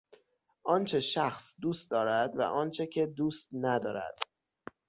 آنچه شخص دوست دارد و آنچه که دوست ندارد.